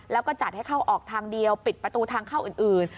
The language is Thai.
แล้วก็จัดให้เข้าออกทางเดียวปิดประตูทางเข้าอื่น